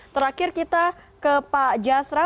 terakhir kita ke pak jasra